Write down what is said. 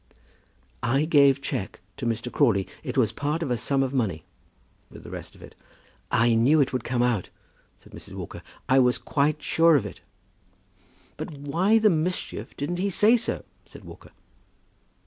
"I gave cheque to Mr. Crawley. It was part of a sum of money," with the rest of it. "I knew it would come out," said Mrs. Walker. "I was quite sure of it." "But why the mischief didn't he say so?" said Walker.